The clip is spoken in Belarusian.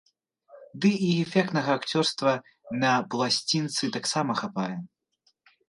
Ды і эфектнага акцёрства на пласцінцы таксама хапае.